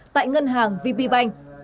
tại ngân hàng vp bank